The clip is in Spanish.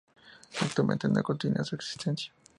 Actualmente no continúa su existencia.